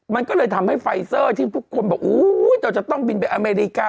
มันก็เลยทำให้ไฟเซอร์ที่ทุกคนบอกเราจะต้องบินไปอเมริกา